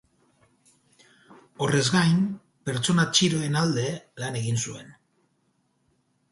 Horrez gain, pertsona txiroen alde lan egin zuen.